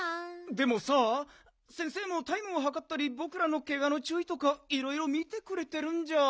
でもさ先生もタイムをはかったりぼくらのけがのちゅういとかいろいろ見てくれてるんじゃ。